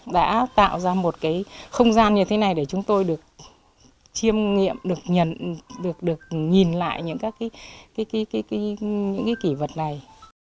đã tạo ra một cái không gian như thế này để chúng tôi được chiêm nghiệm được nhìn lại những cái kỷ vật này